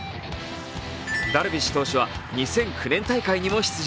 ダルビッシュ投手は２００９年大会にも出場。